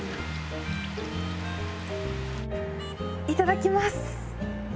いただきます。